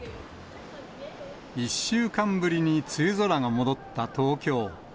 １週間ぶりに梅雨空が戻った東京。